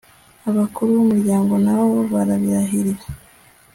abakuru b'umuryango na bo barabirahirira